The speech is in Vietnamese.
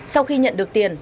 sau khi nhận được tiền